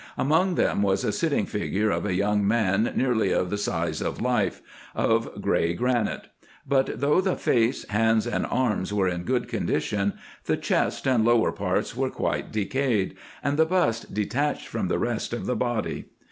Among them was a sitting figure of a young man nearly of the size of life, of gray granite ; but though the face, hands, and arms, were in good condition, the chest and lower parts were quite decayed, and the bust detached from the rest of the body.